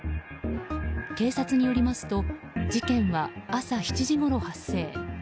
警察によりますと事件は朝７時ごろ発生。